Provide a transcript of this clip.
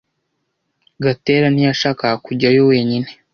Gatera ntiyashakaga kujyayo wenyine.